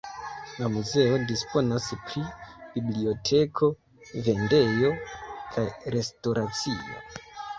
La muzeo disponas pri biblioteko, vendejo kaj restoracio.